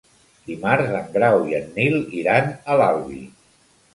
Dimarts en Grau i en Nil iran a l'Albi.